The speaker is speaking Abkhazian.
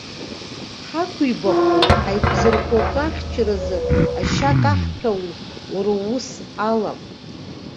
Ҳақәибахуоу, ҳаиқәзырхо акы ахьчаразы ашьа каҳҭәауоу, уара усс алам.